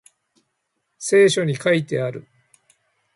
聖書に書いてある